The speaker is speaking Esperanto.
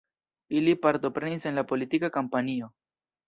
Ili partoprenis en la politika kampanjo.